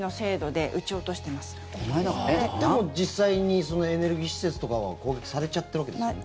でも実際にエネルギー施設とかは攻撃されちゃってるわけですよね。